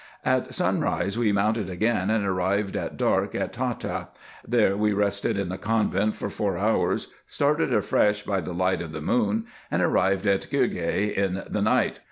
At sunrise we mounted again, and arrived at dark at Tahta. Here we rested in the convent for four hours, started afresh by the light of the moon, and arrived at Girgeh in the night.